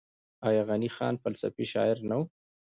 آیا غني خان فلسفي شاعر نه دی؟